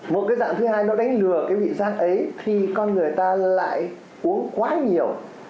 một cái dạng thứ hai nó đánh lừa cái vị giác ấy khi con người ta lại uống quá nhiều